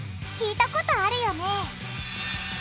聞いたことあるよね？